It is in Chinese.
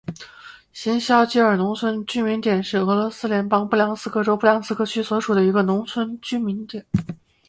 新肖尔基农村居民点是俄罗斯联邦布良斯克州布良斯克区所属的一个农村居民点。